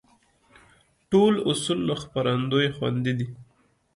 ټول اصول له خپرندوى خوندي دي.